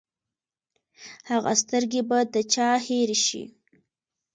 هغه سترګې به د چا هېرې شي!